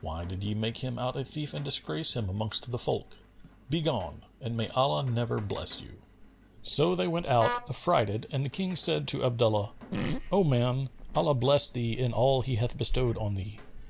Why did ye make him out a thief and disgrace him amongst the folk? Begone, and may Allah never bless you!" So they went out affrighted and the King said to Abdullah, "O man (Allah bless thee in all He hath bestowed on thee!)